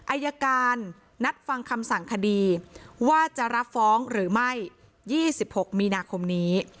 อายการนัดฟังคำสั่งคดีว่าจะรับฟ้องหรือไม่๒๖มีนาคมนี้